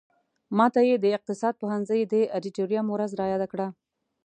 ماته یې د اقتصاد پوهنځي د ادیتوریم ورځ را یاده کړه.